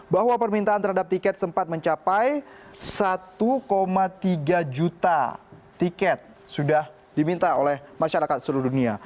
bahwa permintaan terhadap tiket sempat mencapai satu tiga juta tiket sudah diminta oleh masyarakat seluruh dunia